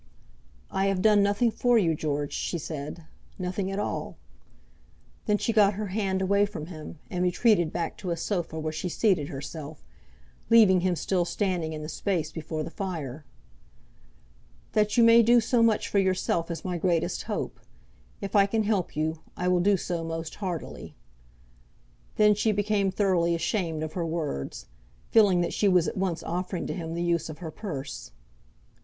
"I have done nothing for you, George," she said, "nothing at all." Then she got her hand away from him, and retreated back to a sofa where she seated herself, leaving him still standing in the space before the fire. "That you may do much for yourself is my greatest hope. If I can help you, I will do so most heartily." Then she became thoroughly ashamed of her words, feeling that she was at once offering to him the use of her purse.